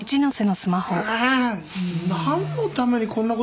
あ何のためにこんなこと。